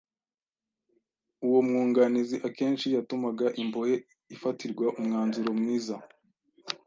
uwo mwunganizi akenshi yatumaga imbohe ifatirwa umwanzuro mwiza.